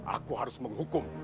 aku harus menghukum